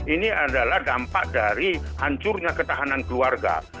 ini adalah dampak dari hancurnya ketahanan keluarga